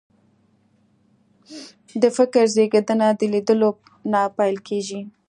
د فکر زېږنده د لیدلو نه پیل کېږي